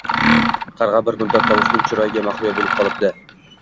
Qarg‘a bir muddat tovusning chiroyiga mahliyo bo‘lib qolibdi